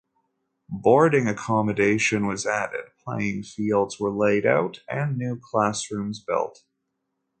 Boarding accommodation was added, playing fields were laid out, and new classrooms built.